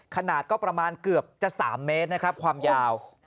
ขนาดก็ประมาณเกือบจะ๓เมตรนะครับความยาว